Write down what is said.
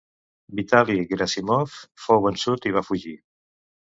Vitali Geràssimov fou vençut i va fugir.